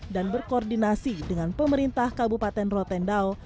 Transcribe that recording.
dan berkoordinasi dengan pemerintah kabupaten rotendao